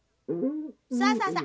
さあさあさあ